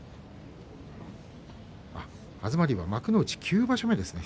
東龍は幕内９場所目ですね。